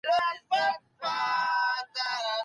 ډیپلوماسي د تفرقه اچولو لپاره نه کارول کیږي.